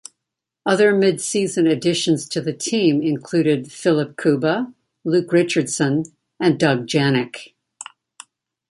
Other mid-season additions to the team included Filip Kuba, Luke Richardson and Doug Janik.